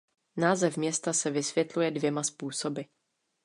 Název města se vysvětluje dvěma způsoby.